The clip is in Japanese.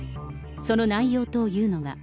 その内容というのが。